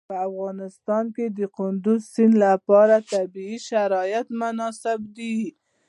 په افغانستان کې د کندز سیند لپاره طبیعي شرایط مناسب دي.